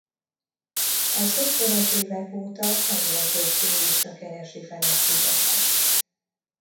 Az ötvenes évek óta egyre több turista keresi fel a szigetet.